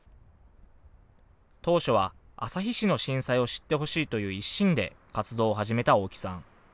当初は旭市の震災を知ってほしいという一心で活動を始めた大木さん。